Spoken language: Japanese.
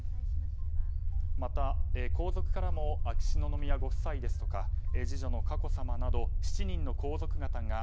また、皇族からも秋篠宮ご夫妻ですとか次女の佳子さまなど７人の皇族方が